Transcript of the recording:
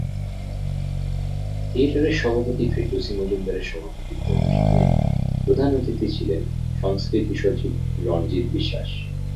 থিয়েটারের সভাপতি ফেরদৌসী মজুমদারের সভাপতিত্বে অনুষ্ঠানে প্রধান অতিথি ছিলেন সংস্কৃতিসচিব রণজিৎ বিশ্বাস।